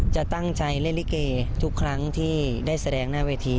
จะตั้งใจเล่นลิเกทุกครั้งที่ได้แสดงหน้าเวที